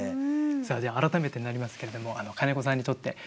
さあじゃあ改めてになりますけれども金子さんにとって登山とは？